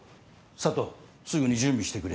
佐都すぐに準備してくれ。